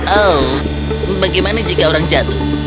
oh bagaimana jika orang jatuh